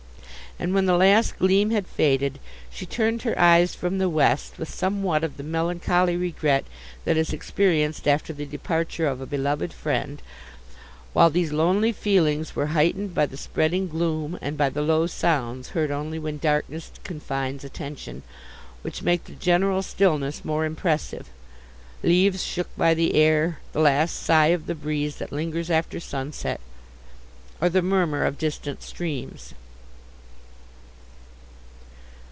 And when the last gleam had faded, she turned her eyes from the west with somewhat of the melancholy regret that is experienced after the departure of a beloved friend; while these lonely feelings were heightened by the spreading gloom, and by the low sounds, heard only when darkness confines attention, which make the general stillness more impressive—leaves shook by the air, the last sigh of the breeze that lingers after sunset, or the murmur of distant streams.